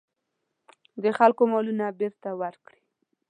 د خلکو مالونه بېرته ورکړي.